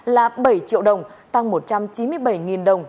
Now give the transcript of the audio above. là bảy triệu đồng tăng một trăm chín mươi bảy đồng